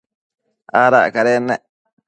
Adac cadennec